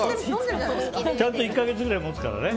ちゃんと１か月ぐらいもつからね。